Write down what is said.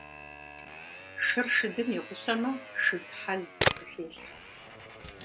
Шыр шыдым игъусэмэ, шыд хьэл зыхелъхьэ.